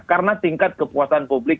karena tingkat kepuasan publik